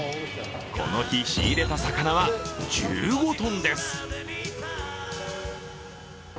この日仕入れた魚は１５ｔです。